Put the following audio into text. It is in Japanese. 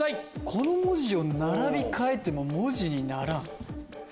この文字を並び替えても文字にならん。